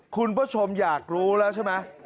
คุณผู้ชมอยากรู้แล้วใช่ไหม